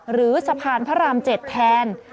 หรือสะพานพระราม๗แทน